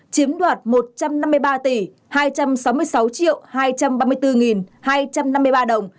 chiếm đoạt một trăm năm mươi ba tỷ hai trăm sáu mươi sáu hai trăm ba mươi bốn hai trăm năm mươi ba đồng